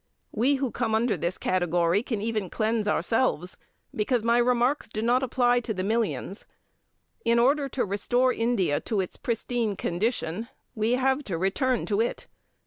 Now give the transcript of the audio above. We who come under this category can even cleanse ourselves, because my remarks do not apply to the millions. In order to restore India to its pristine condition, we have to return to it.